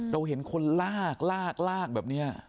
เราเห็นคนลากแบบนี้